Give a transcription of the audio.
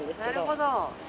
なるほど。